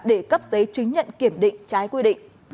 để cấp giấy chứng nhận kiểm định trái quy định